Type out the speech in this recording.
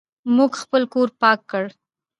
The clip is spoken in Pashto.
موږ خپل کور پاک کړ.